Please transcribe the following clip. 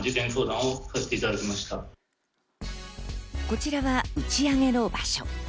こちらは打ち上げの場所。